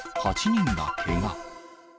８人がけが。